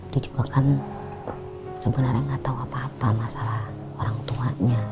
dia juga kan sebenarnya gak tau apa apa masalah orangtuanya